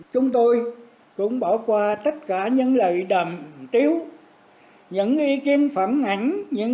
chúng tôi cũng bỏ qua tất cả những lời đầm tiếu những ý kiến phẩm ảnh